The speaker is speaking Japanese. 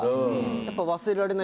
やっぱ。